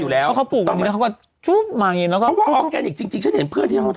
เลียงตบล้าอะไรแบบนี้มั้ย